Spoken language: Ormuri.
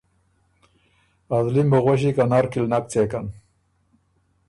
ازلی م بُو غؤݭی که نر کی ل نک څېکن